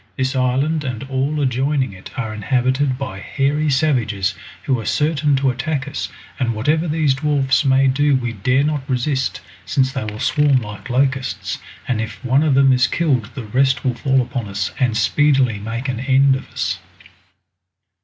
"This island and all adjoining it are inhabited by hairy savages, who are certain to attack us, and whatever these dwarfs may do we dare not resist, since they swarm like locusts, and if one of them is killed the rest will fall upon us, and speedily make an end of us."